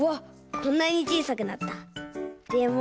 こんなにちいさくなった。